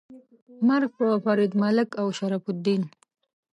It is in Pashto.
مرګ په فرید ملک او شرف الدین. 🤨